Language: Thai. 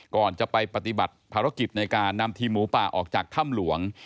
ก่อนจะไปปฏิบัติภารกิจในการนำทีมหมูป่าออกจากถ้ำหลวง